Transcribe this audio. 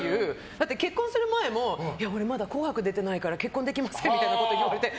だって、結婚する前も俺、まだ「紅白」出てないから結婚できませんみたいなことを言われて。